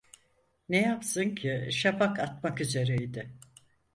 Ne yapsın ki şafak atmak üzere idi.